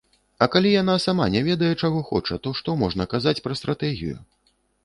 А калі яна сама не ведае, чаго хоча, то што можна казаць пра стратэгію?